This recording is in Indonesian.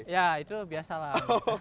ya itu biasa lah